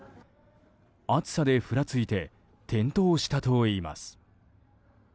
暑さでふらついて転倒したといいます。